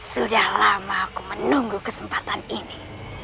sudah lama aku menunggu kesempatan ini